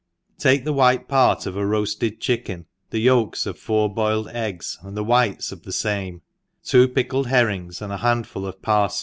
; TAKE the white part of a roafted chicken, the yolks of four boiled eggs, andthe whites of the fame, two pickled herrings, and a handful of parflcy, ENGLISH HOUSE KEEPER.